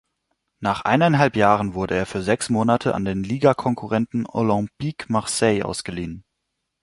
Nach eineinhalb Jahren wurde er für sechs Monate an den Ligakonkurrenten Olympique Marseille ausgeliehen.